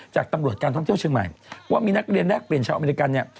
จากตำรวจการท่องเที่ยวเชียงใหม่ว่ามีนักเรียนแลกเปลี่ยนชาวอเมริกันเนี่ย